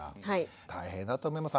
大変だと思います。